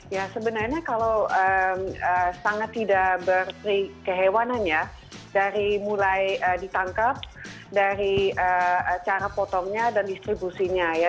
ya sebenarnya kalau sangat tidak berkehewanan ya dari mulai ditangkap dari cara potongnya dan distribusinya ya